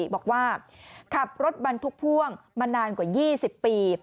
บอกว่าขับรถบรรทุกพ่วงมานานกว่า๒๐ปี